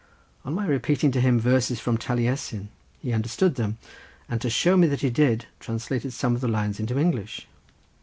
On my repeating to him verses from Taliesin he understood them, and to show me that he did translated some of the lines into English.